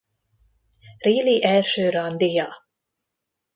Riley első randija?